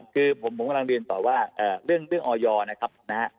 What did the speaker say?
คือผมกำลังเรียนต่อว่าเรื่องออยนะครับนะฮะ